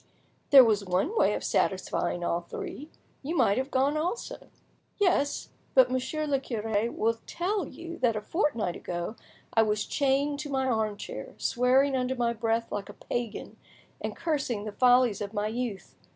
"There was one way of satisfying all three—you might have gone also." "Yes, but Monsieur le cure will tell you that a fortnight ago I was chained to my arm chair, swearing under my breath like a pagan, and cursing the follies of my youth!